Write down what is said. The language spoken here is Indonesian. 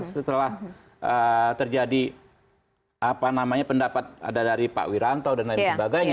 setelah terjadi pendapat ada dari pak wiranto dan lain sebagainya